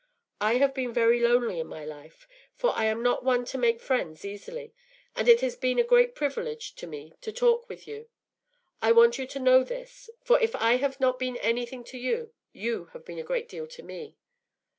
I have been very lonely in my life, for I am not one to make friends easily, and it has been a great privilege to me to talk with you. I want you to know this: for if I have been anything to you, you have been a great deal to me.